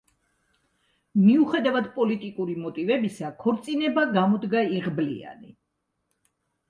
მიუხედავად პოლიტიკური მოტივებისა, ქორწინება გამოდგა იღბლიანი.